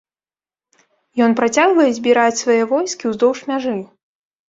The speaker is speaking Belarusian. Ён працягвае збіраць свае войскі ўздоўж мяжы.